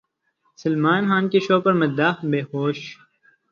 سلمان خان کے شو پر مداح بےہوش